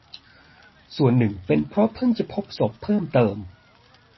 ส่วนหนึ่งเป็นเพราะเพิ่งจะพบศพเพิ่มเติม